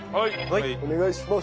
お願いします。